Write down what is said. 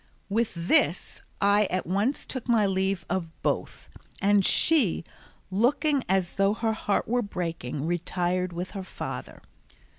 With this I at once took my leave of both; and she, looking as though her heart were breaking, retired with her father.